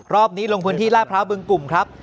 รอบนี้ลงพื้นที่ลาดพร้าวบึงกลุ่มครับ